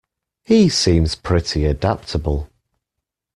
He seems pretty adaptable